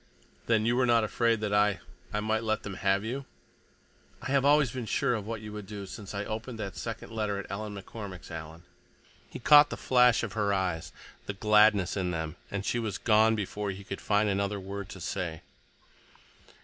"Then you were not afraid that I—I might let them have you?" "I have always been sure of what you would do since I opened that second letter at Ellen McCormick's, Alan!" He caught the flash of her eyes, the gladness in them, and she was gone before he could find another word to say.